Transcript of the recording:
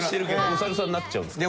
お猿さんになっちゃうんですか？